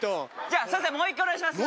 すいませんもう一回お願いします。